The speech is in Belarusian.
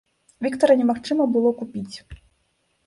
Віктара немагчыма было купіць.